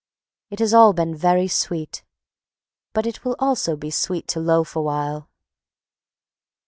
It has all been very sweet, but it will also be sweet to loaf awhile.